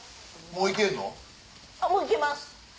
もう行けます。